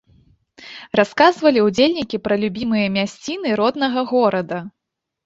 Расказвалі ўдзельнікі пра любімыя мясціны роднага горада.